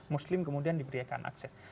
muslim kemudian diberikan akses